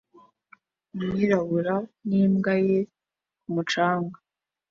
Umwirabura n'imbwa ye ku mucanga